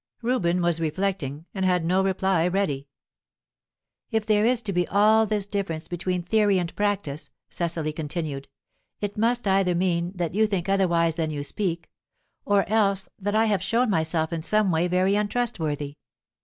Reuben was reflecting, and had no reply ready. "If there is to be all this difference between theory and practice," Cecily continued, "it must either mean that you think otherwise than you speak, or else that I have shown myself in some way very untrustworthy.